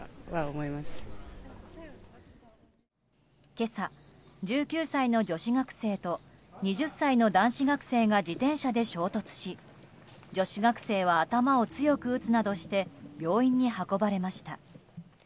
今朝、１９歳の女子学生と２０歳の男子学生が自転車で衝突し女子学生は頭を強く打つなどして病院に運ばれました。